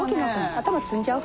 頭摘んじゃう？